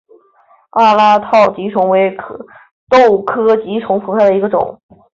阿拉套棘豆为豆科棘豆属下的一个种。